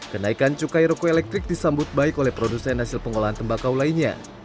kenaikan cukai roko elektrik disambut baik oleh produsen hasil pengolahan tembakau lainnya